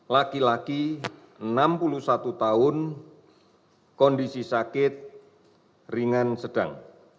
empat puluh tujuh laki laki enam puluh satu tahun kondisi sakit ringan sedang